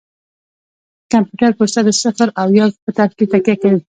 د کمپیوټر پروسه د صفر او یو په ترکیب تکیه کوي.